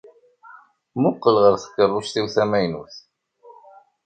Mmuqqel ɣer tkeṛṛust-iw tamaynut.